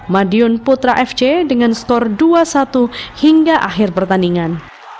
madiun putra fc dengan skor dua satu hingga akhir pertandingan